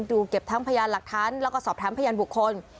เก็บทั้งพยานหลักฐานแล้วก็สอบถามพยานบุคคล